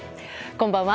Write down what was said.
こんばんは。